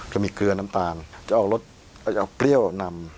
เกลือน้ำตาลจะเอารสจะเอาเปรี้ยวนำ